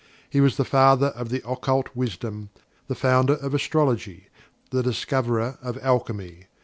He was the father of the Occult Wisdom; the founder of Astrology; the discoverer of Alchemy.